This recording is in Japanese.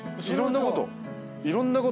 いろんなこと。